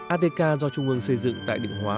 atk do trung ương xây dựng tại định hóa